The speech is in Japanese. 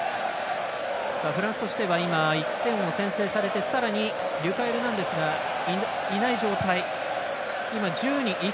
フランスとしては今１点を先制されてさらにリュカ・エルナンデスがいない状態。